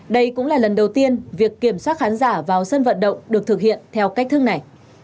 đây cũng là lần đầu tiên việc kiểm soát khán giả vào sân vận động được thực hiện theo cách thức này